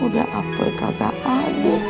udah apa kagak ada